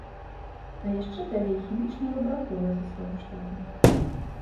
А яшчэ далей хімічная лабараторыя са сваім штатам.